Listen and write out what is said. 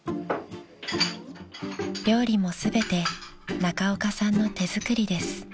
［料理も全て中岡さんの手作りです］